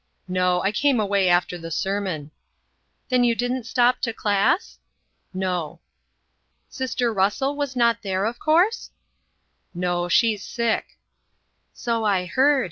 "No, I came away after the sermon." "Then you didn't stop to class?" "No." "Sister Russell was not there, of course?" "No; she's sick." "So I heard.